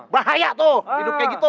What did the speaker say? bahaya tuh hidup kayak gitu